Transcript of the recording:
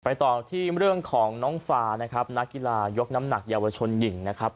ต่อที่เรื่องของน้องฟานะครับนักกีฬายกน้ำหนักเยาวชนหญิงนะครับ